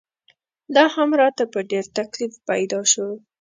دا هم راته په ډېر تکلیف پیدا شو.